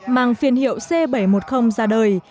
mang phiên hiệu c bảy trăm một mươi ra đời